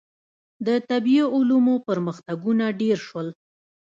• د طبیعي علومو پرمختګونه ډېر شول.